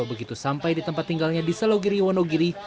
begitu sampai di tempat tinggalnya di selogiri wonogiri